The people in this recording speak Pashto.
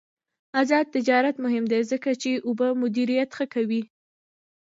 آزاد تجارت مهم دی ځکه چې اوبه مدیریت ښه کوي.